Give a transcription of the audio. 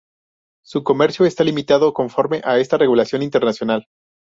Su comercio está limitado conforme a esta regulación internacional.